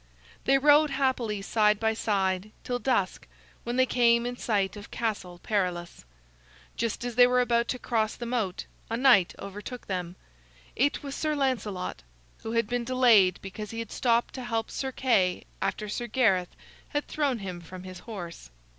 They rode happily side by side till dusk, when they came in sight of Castle Perilous. Just as they were about to cross the moat, a knight overtook them. It was Sir Lancelot, who had been delayed because he had stopped to help Sir Kay after Sir Gareth had thrown him from his horse.